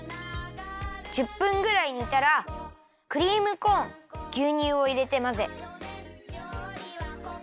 １０分ぐらいにたらクリームコーンぎゅうにゅうをいれてまぜ。